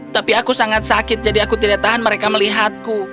tapi aku sangat sakit jadi aku tidak tahan mereka melihatku